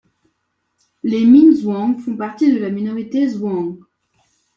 Les Minz Zhuang font partie de la minorité Zhuang.